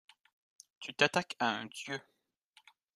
Tu t'attaques à un dieu.